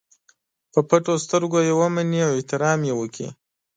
په پټو سترګو یې ومني او احترام یې وکړي.